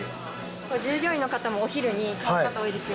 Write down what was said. これ従業員の方もお昼に買う方多いですよ。